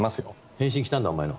返信来たんだお前の。